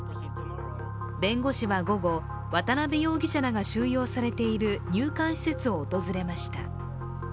弁護士は午後、渡辺容疑者らが収容されている入管施設などを訪れました。